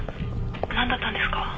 何だったんですか？